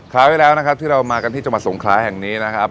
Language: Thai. คราวที่แล้วนะครับที่เรามากันที่จังหวัดสงคราแห่งนี้นะครับ